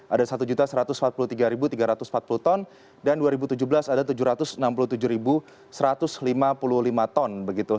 ada satu satu ratus empat puluh tiga tiga ratus empat puluh ton dan dua ribu tujuh belas ada tujuh ratus enam puluh tujuh satu ratus lima puluh lima ton